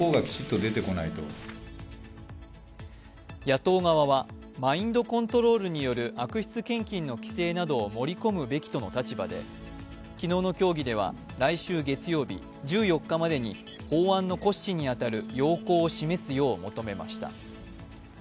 野党側はマインドコントロールによる悪質献金の規制などを盛り込むべきとの立場で、昨日の協議では来週月曜日、１４日までに法案の骨子に当たる要綱を示すよう求めました。